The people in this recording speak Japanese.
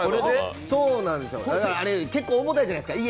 あれ、結構重たいじゃないですか。